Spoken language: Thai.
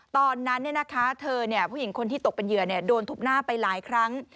ตอนนั้นเธอผู้หญิงคนที่ตกเป็นเหยื่อโดนทุบหน้าไปหลายครั้ง